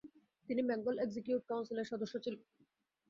তিনি বেঙ্গল এক্সিকিউটিভ কাউন্সিলের সদস্য ছিলেন।